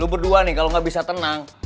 lo berdua nih kalau gak bisa tenang